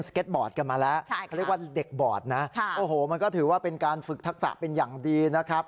เก็ตบอร์ดกันมาแล้วเขาเรียกว่าเด็กบอร์ดนะโอ้โหมันก็ถือว่าเป็นการฝึกทักษะเป็นอย่างดีนะครับ